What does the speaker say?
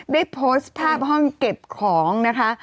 ได้โพสต์ภาพห้องเก็บของนะคะ